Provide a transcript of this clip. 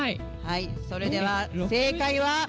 それでは正解は？